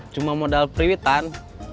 cuma modal periwitan